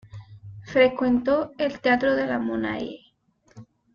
Frecuentó el Teatro de la Monnaie.